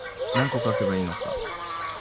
何個書けばいいのか